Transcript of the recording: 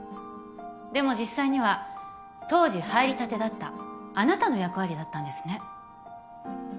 でも実際には当時入りたてだったあなたの役割だったんですね。